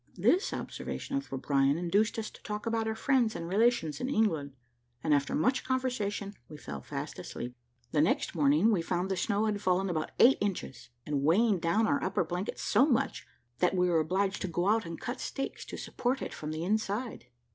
This observation of O'Brien induced us to talk about our friends and relations in England, and after much conversation we fell fast asleep. The next morning we found the snow had fallen about eight inches, and weighing down our upper blanket so much, that we were obliged to go out and cut stakes to support it up from the inside.